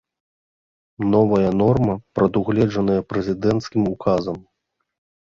Новая норма прадугледжаная прэзідэнцкім указам.